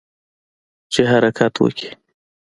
چې حرکت وکړي.